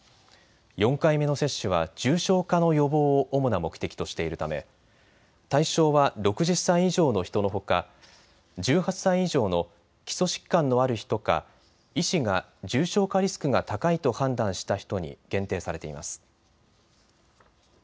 ４回目の接種は重症化の予防を主な目的としているため対象は６０歳以上の人のほか、１８歳以上の基礎疾患のある人か、医師が重症化リスクが高いと判断した人に限定されています。